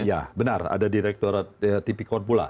ya benar ada direkturat tipikor pula